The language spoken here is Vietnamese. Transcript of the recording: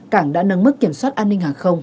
cảng đã nâng mức kiểm soát an ninh hàng không